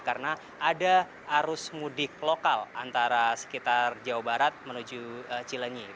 karena ada arus mudik lokal antara sekitar jawa barat menuju cilinyi